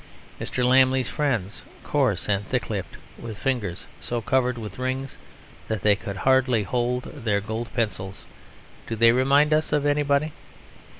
Mr. Lammle's friends, coarse and thick lipped, with fingers so covered with rings that they could hardly hold their gold pencils do they remind us of anybody?